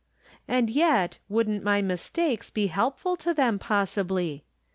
And yet, wouldn't my mistakes be helpful to them, possibly?